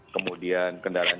kemudian kendaraan jalanan